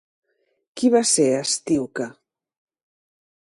Qui va ser Astíoque?